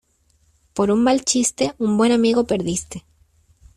Por un mal chiste un buen amigo perdiste.